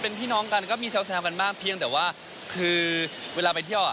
เป็นพี่น้องกันก็มีแซวกันมากเพียงแต่ว่าคือเวลาไปเที่ยวอ่ะ